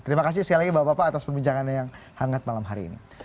terima kasih sekali lagi bapak bapak atas perbincangannya yang hangat malam hari ini